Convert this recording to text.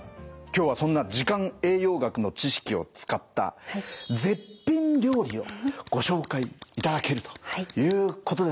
今日はそんな時間栄養学の知識を使った絶品料理をご紹介いただけるということですね？